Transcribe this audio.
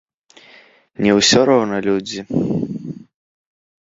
Не ўсё роўна людзі?